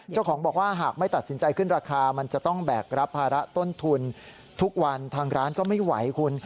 เจ้าของบอกว่าหากไม่ตัดสินใจขึ้นราคามันจะต้องแบกรับภาระต้นทุนทุกวันทางร้านก็ไม่ไหวคุณ